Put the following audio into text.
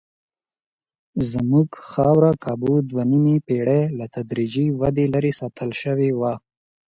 زموږ خاوره کابو دوه نیمې پېړۍ له تدریجي ودې لرې ساتل شوې وه.